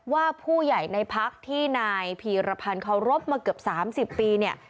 ว่าผู้ใหญ่ในพักที่นายพีรพันธ์เคารพมาเกือบ๓๐ปีเนี่ย